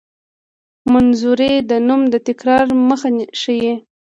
نومځری د نوم د تکرار مخه ښيي.